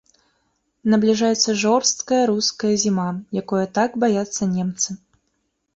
Набліжаецца жорсткая руская зіма, якое так баяцца немцы.